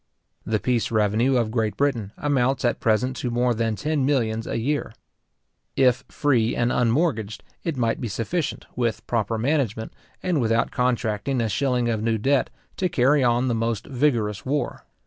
The peace revenue of Great Britain amounts at present to more than ten millions a year. If free and unmortgaged, it might be sufficient, with proper management, and without contracting a shilling of new debt, to carry on the most vigorous war.